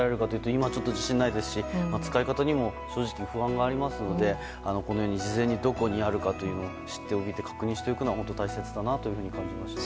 今、ちょっと自信がないですし使い方にも正直不安がありますので事前にどこにあるのかを知っておいて確認するのは本当に大切だなと感じました。